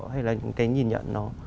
hay là những cái nhìn nhận